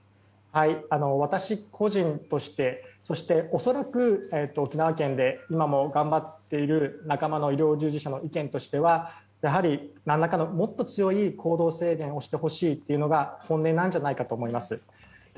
私個人としてそして、恐らく沖縄県で今も頑張っている仲間の医療従事者の意見としてはやはり何らかの、もっと強い行動制限をしてほしいというのが本音じゃないかと思います。